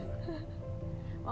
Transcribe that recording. tidak ada ottawa